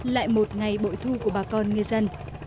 lại một ngày bội thu của bà con ngư dân